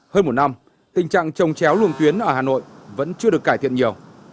hơn một năm tình trạng trồng chéo luông tuyến ở hà nội vẫn chưa được cải thiện nhiều